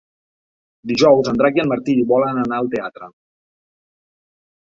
Dijous en Drac i en Martí volen anar al teatre.